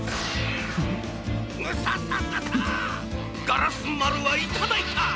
ガラスまるはいただいた！